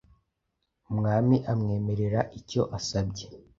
Umwami amwemerera icyo asabye;